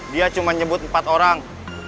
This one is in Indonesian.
dia cuma nyebut empat orang